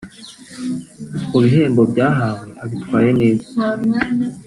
Mu bihembo byahawe abitwaye neza